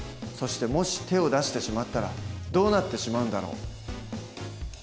そしてもし手を出してしまったらどうなってしまうんだろう？